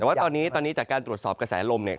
แต่ว่าตอนนี้ตอนนี้จากการตรวจสอบกระแสลมเนี่ย